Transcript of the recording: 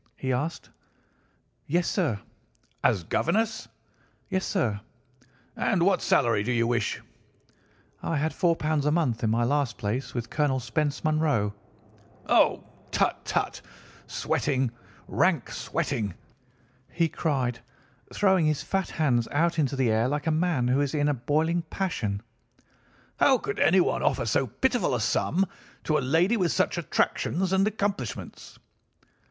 he asked. "'Yes, sir.' "'As governess?' "'Yes, sir.' "'And what salary do you ask?' "'I had £ 4 a month in my last place with Colonel Spence Munro.' "'Oh, tut, tut! sweating—rank sweating!' he cried, throwing his fat hands out into the air like a man who is in a boiling passion. 'How could anyone offer so pitiful a sum to a lady with such attractions and accomplishments?